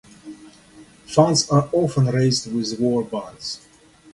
Funds are often raised with war bonds.